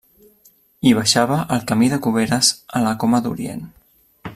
Hi baixava el Camí de Cuberes a la Coma d'Orient.